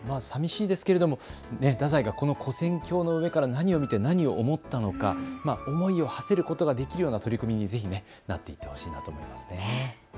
さびしいですけれども太宰がこのこ線橋の上から何を見て何を思ったのか思いをはせることができるような取り組みにぜひなっていってほしいなと思います。